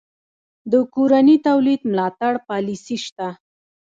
د کورني تولید ملاتړ پالیسي شته؟